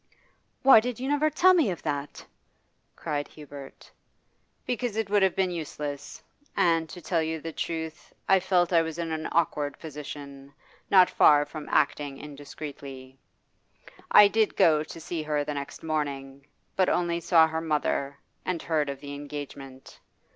'Why did you never tell me of that?' cried Hubert. 'Because it would have been useless, and, to tell you the truth, I felt I was in an awkward position, not far from acting indiscreetly. I did go to see her the next morning, but only saw her mother, and heard of the engagement.